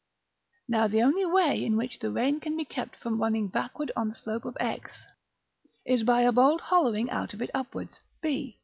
Now the only way in which the rain can be kept from running back on the slope of X is by a bold hollowing out of it upwards, b.